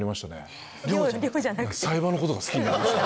冴羽のことが好きになりました。